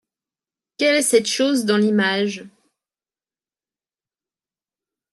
Quel est cette chose dans l’image ?